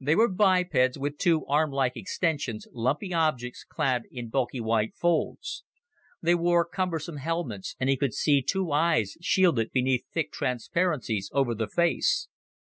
They were bipeds with two armlike extensions, lumpy objects, clad in bulky white folds. They wore cumbersome helmets and he could see two eyes shielded beneath thick transparencies over the face.